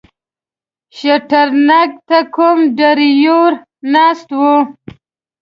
شټرنګ ته کوم ډریور ناست و.